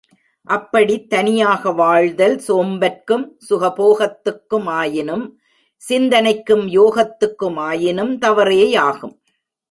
அப்படித் தனியாக வாழ்தல் சோம்பற்கும் சுகபோகத்துக்கு மாயினும், சிந்தனைக்கும் யோகத்துக்கு மாயினும் தவறேயாகும்.